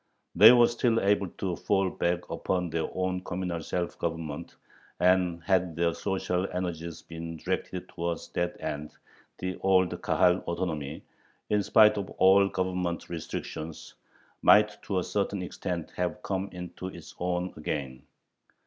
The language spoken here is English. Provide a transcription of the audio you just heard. They were still able to fall back upon their own communal self government, and, had their social energies been directed towards that end, the old Kahal autonomy, in spite of all Government restrictions, might to a certain extent have come into its own again.